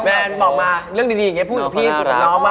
แมนบอกมาเรื่องดีอย่างนี้พูดถึงพี่แมนไหม